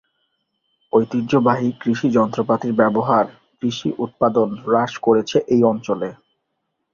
ঐতিহ্যবাহী কৃষি যন্ত্রপাতির ব্যবহার কৃষি উৎপাদন হ্রাস করেছে এই অঞ্চলে।